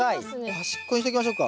端っこにしときましょうか。